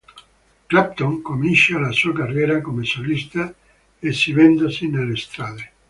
Clapton comincia la sua carriera come solista esibendosi nelle strade.